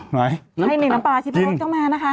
ให้หน่อยน้ำปลาที่ขนสะตัดมานะคะ